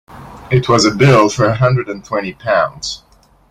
It was a bill for a hundred and twenty pounds.